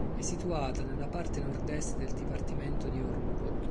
È situata nella parte nord-est del dipartimento di Oruro.